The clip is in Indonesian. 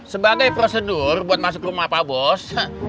sebagai prosedur buat masuk rumah pak bos